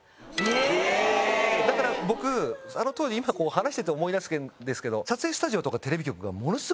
だから僕あの当時今こう話してて思い出すんですけど。